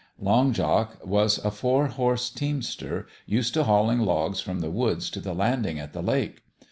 Long Jock was a four horse teamster, used to hauling logs from the woods to the landing at the lake.